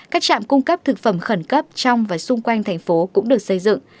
các trạm cung cấp thực phẩm khẩn cấp trong và xung quanh thành phố cũng được xây dựng